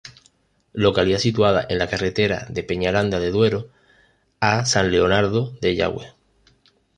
Localidad situada en la carretera de Peñaranda de Duero a San Leonardo de Yagüe.